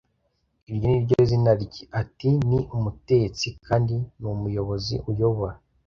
“Iryo ni ryo zina rye.” Ati: "Ni umutetsi, kandi n'umuyobozi uyobora."